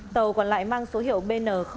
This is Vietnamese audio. tàu còn lại mang số hiệu bn bốn trăm linh bốn